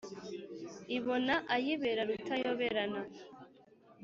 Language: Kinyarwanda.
ibona ayibera rutayoberana